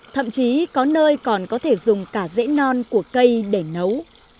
thậm chí có nơi còn có thể dùng cả dễ non của cây để nấu